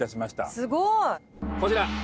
すごい！こちら！